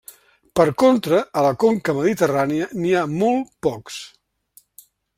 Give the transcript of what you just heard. Per contra, a la conca mediterrània n'hi ha molt pocs.